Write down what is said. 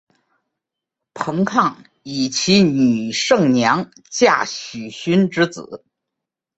彭抗以其女胜娘嫁许逊之子。